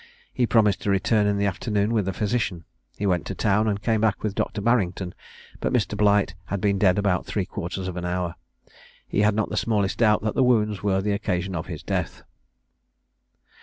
He promised to return in the afternoon with a physician. He went to town, and came back with Dr. Barrington; but Mr. Blight had been dead about three quarters of an hour. He had not the smallest doubt that the wounds were the occasion of his death.